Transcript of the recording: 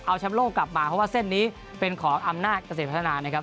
เอาแชมป์โลกกลับมาเพราะว่าเส้นนี้เป็นของอำนาจเกษตรพัฒนานะครับ